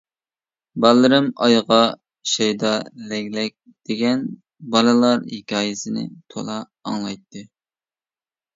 باللىرىم ‹ ‹ئايغا شەيدا لەگلەك› › دېگەن بالىلار ھېكايىسىنى تولا ئاڭلايتتى.